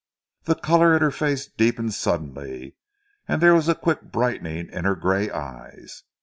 The colour in her face deepened suddenly, and there was a quick brightening in her grey eyes.